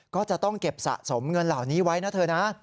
ก็จะต้องเก็บสะสมเงินเหล่านี้ไว้นะเธอนะ